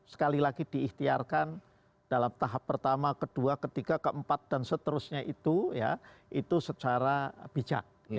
sekali lagi diikhtiarkan dalam tahap pertama kedua ketiga keempat dan seterusnya itu ya itu secara bijak